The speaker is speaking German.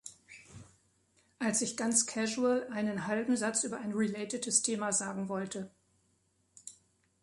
Als ich ganz casual einen halben Satz über ein relatetes Thema sagen wollte.